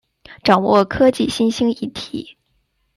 掌握科技新兴议题